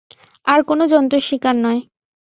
আর কোনো জন্তুর শিকার নয়!